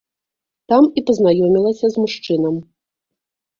Там і пазнаёмілася з мужчынам.